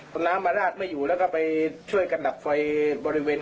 เอาน้ำมาราดไม่อยู่แล้วก็ไปช่วยกันดับไฟบริเวณ